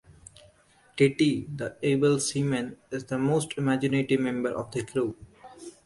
Titty, the "able seaman", is the most imaginative member of the crew.